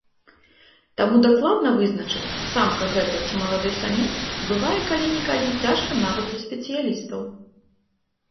Таму дакладна вызначыць, самка гэта ці малады самец, бывае калі-нікалі цяжка нават для спецыялістаў.